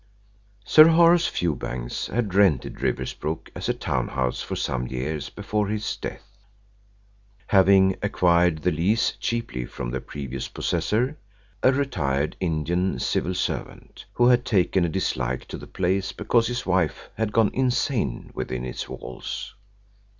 Sir Horace Fewbanks had rented Riversbrook as a town house for some years before his death, having acquired the lease cheaply from the previous possessor, a retired Indian civil servant, who had taken a dislike to the place because his wife had gone insane within its walls.